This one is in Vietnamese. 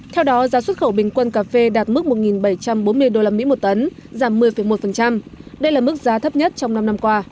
theo đó giá xuất khẩu bình quân cà phê đạt mức một bảy trăm bốn mươi usd một tấn giảm một mươi một đây là mức giá thấp nhất trong năm năm qua